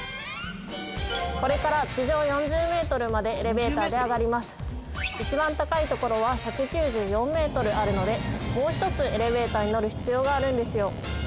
これから地上４０ｍまでエレベーターで上がります一番高い所は１９４ｍあるのでもう一つエレベーターに乗る必要があるんですよ